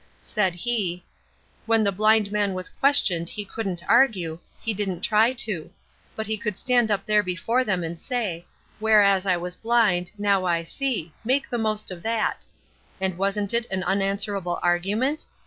Said he: "When the blind man was questioned he couldn't argue, he didn't try to; but he could stand up there before them and say, 'Whereas I was blind, now I see; make the most of that.' And wasn't it an unanswerable argument?